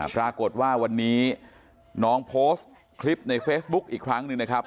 ปรากฏว่าวันนี้น้องโพสต์คลิปในเฟซบุ๊กอีกครั้งหนึ่งนะครับ